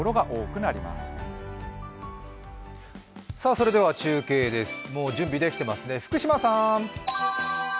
それでは中継です、もう準備できてますね、福島さん。